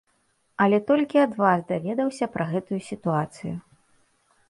Але толькі ад вас даведаўся пра гэтую сітуацыю.